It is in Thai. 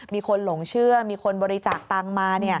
มีคนหลงเชื่อมีคนบริจาคตังค์มา